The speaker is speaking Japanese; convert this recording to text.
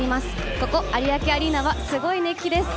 ここ、有明アリーナはすごい熱気です！